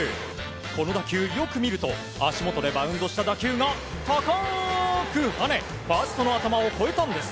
この打球、よく見ると足元でバウンドした打球が高くはねファーストの頭を越えたんです。